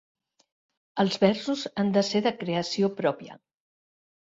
Els versos han de ser de creació pròpia.